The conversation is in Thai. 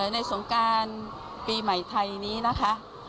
สงการปีใหม่ไทยนี้นะคะ